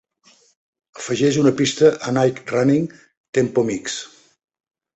afegeix una pista a Nike Running Tempo Mix